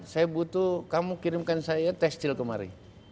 saya butuh kamu kirimkan saya tekstil kemari